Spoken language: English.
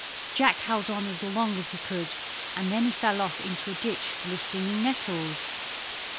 Jack held on as long as he could, and then he fell off into a ditch full of stinging nettles.